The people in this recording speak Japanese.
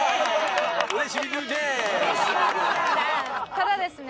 ただですね